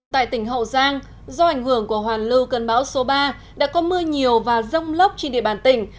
tại tỉnh hậu giang do ảnh hưởng của hoàn lưu cơn bão số ba đã có mưa nhiều và rông lốc trên địa bàn tỉnh